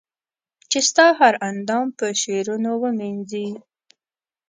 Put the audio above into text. چي ستا هر اندام په شعرونو و مېنځنې